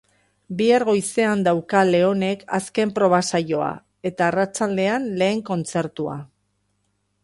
Bihar goizean dauka Leonek azken proba-saioa, eta arratsaldean lehen kontzertua.